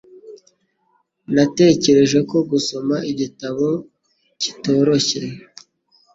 Natekereje ko gusoma igitabo kitoroshye.